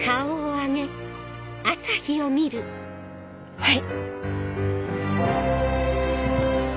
はい！